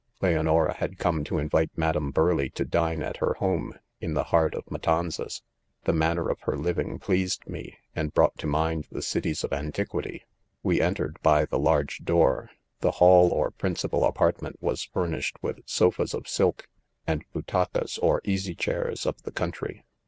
," Leonora had come, to invite Madame Bur leigh to dine, at her home, in the heart of Ma tanzas.. The manner of her4iving pleased me, ^nd brought to mind the c^ties^ of antiquity. — We entered by the large* door ; the hall ox principal apartment was furnished with: sofas of silk, and u biitacas v or .easy chairs of the country.